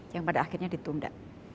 yang pada akhirnya ditunggu